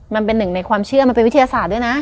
มันเป็นหนึ่งในความเชื่อมันเป็นวิทยาศาสตร์ด้วยนะ